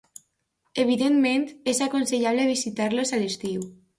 Evidentment, és aconsellable visitar-los a l'estiu.